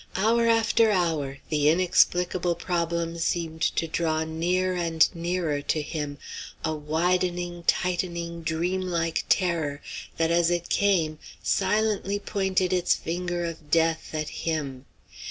Hour after hour the inexplicable problem seemed to draw near and nearer to him, a widening, tightening, dreamlike terror, that, as it came, silently pointed its finger of death at him.